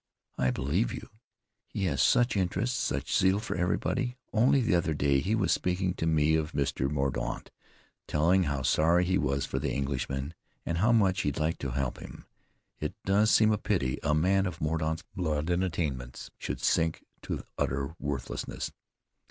"I believe you. He has such interest, such zeal for everybody. Only the other day he was speaking to me of Mr. Mordaunt, telling how sorry he was for the Englishman, and how much he'd like to help him. It does seem a pity a man of Mordaunt's blood and attainments should sink to utter worthlessness."